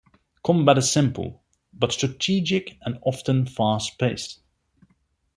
Combat is simple, but strategic and often fast-paced.